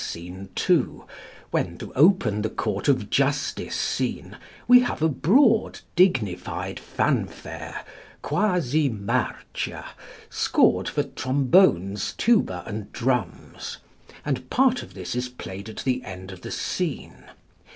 Scene 2, when, to open the Court of Justice scene, we have a broad, dignified fanfare, quasi marcia, scored for trombones, tuba, and drums, and part of this is played at the end of the scene.